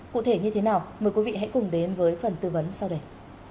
cụ thể như thế nào mời quý vị hãy cùng đến với phần tư vấn sau đây